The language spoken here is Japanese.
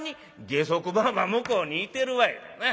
「下足番は向こうにいてるわいな。